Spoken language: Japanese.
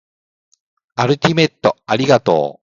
アルティメットありがとう